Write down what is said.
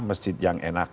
masjid yang enak